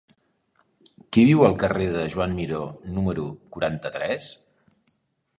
Qui viu al carrer de Joan Miró número quaranta-tres?